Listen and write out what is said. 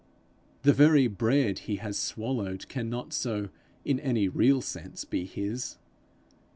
The very bread he has swallowed cannot so in any real sense be his.